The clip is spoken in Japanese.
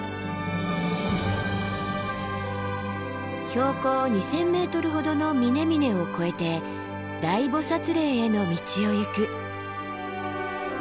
標高２，０００ｍほどの峰々を越えて大菩嶺への道を行く。